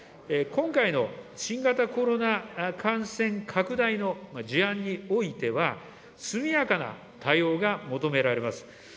今回の新型コロナ感染拡大の事案においては、速やかな対応が求められます。